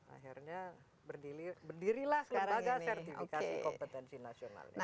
akhirnya berdirilah lembaga sertifikasi kompetensi nasional